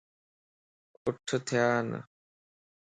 اَٺ ٿيا ان